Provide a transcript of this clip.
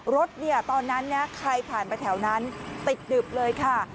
รถตอนนั้นใครผ่านไปแถวนั้นติดดึบเลยค่ะ